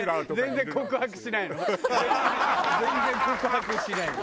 全然告白しないの。